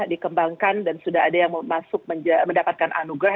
dikembangkan dan sudah ada yang mau masuk mendapatkan anugerah